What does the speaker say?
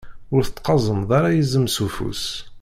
Ur tettqazameḍ ara izem s ufus.